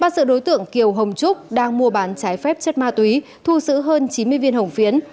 ba sự đối tượng kiều hồng trúc đang mua bán trái phép chất ma túy thu xử hơn chín mươi viên hồng phiến